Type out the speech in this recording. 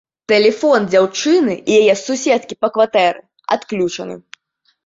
Тэлефоны дзяўчыны і яе суседкі па кватэры адключаны.